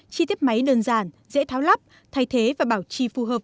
chi tiết máy đơn giản dễ tháo lắp thay thế và bảo trì phù hợp